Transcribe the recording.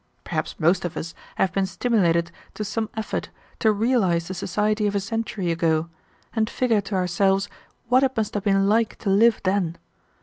Perhaps most of us have been stimulated to some effort to realize the society of a century ago, and figure to ourselves what it must have been like to live then.